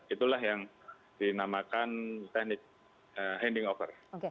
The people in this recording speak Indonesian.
itulah yang dinamakan teknik ending offer